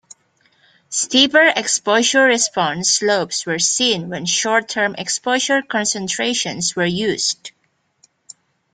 Steeper exposure-response slopes were seen when short term exposure concentrations were used.